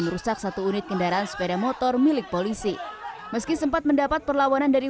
merusak satu unit kendaraan sepeda motor milik polisi meski sempat mendapat perlawanan dari